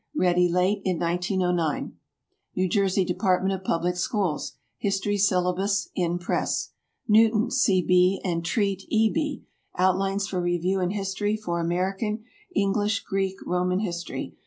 (Ready late in 1909.) NEW JERSEY DEPARTMENT OF PUBLIC SCHOOLS. "History Syllabus." (In press.) NEWTON, C. B., and TREAT, E. B. "Outlines for Review in History for American, English, Greek, Roman History."